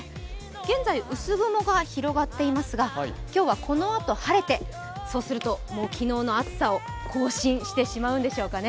現在、薄雲が広がっていますが、今日はこのあと晴れて、そうすると昨日の暑さを更新してしまうんですかね。